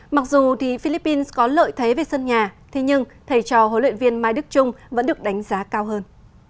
mặc dù philippines có lợi thế về sân nhà thế nhưng thầy trò huấn luyện viên mai đức trung vẫn được đánh giá cao hơn